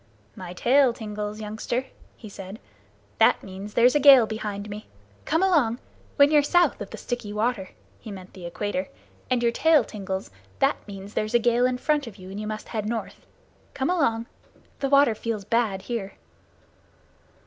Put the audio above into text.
"My tail tingles, youngster," he said. "That means there's a gale behind me. Come along! When you're south of the Sticky Water [he meant the Equator] and your tail tingles, that means there's a gale in front of you and you must head north. Come along! The water feels bad here."